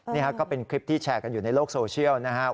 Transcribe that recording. นี่ก็เป็นคลิปที่แชร์กันอยู่ในโลกโซเชียลนะครับ